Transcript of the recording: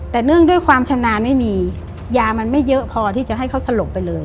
แต่เนื่องด้วยความชำนาญไม่มียามันไม่เยอะพอที่จะให้เขาสลบไปเลย